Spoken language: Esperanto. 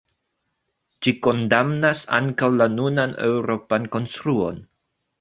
Ĝi kondamnas ankaŭ la nunan eŭropan konstruon.